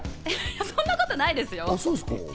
そんなことないですよ。